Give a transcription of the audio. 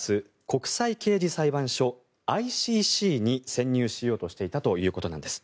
国際刑事裁判所・ＩＣＣに潜入しようとしていたということなんです。